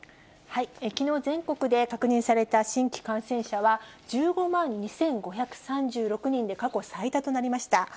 きのう全国で確認された新規感染者は、１５万２５３６人で、過去最多となりました。